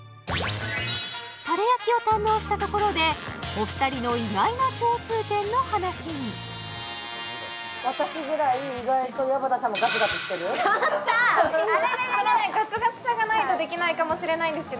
タレ焼きを堪能したところでお二人の意外な共通点の話にちょっと！